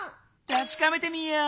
たしかめてみよう！